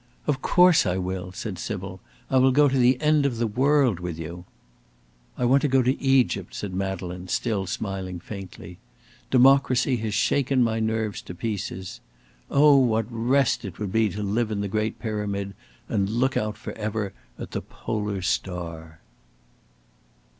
"Of course I will," said Sybil; "I will go to the end of the world with you." "I want to go to Egypt," said Madeleine, still smiling faintly; "democracy has shaken my nerves to pieces. Oh, what rest it would be to live in the Great Pyramid and look out for ever at the polar star!"